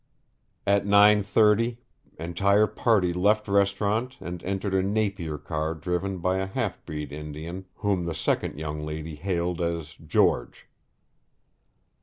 At 9:30 entire party left restaurant and entered a Napier car driven by a half breed Indian whom the second young lady hailed as George.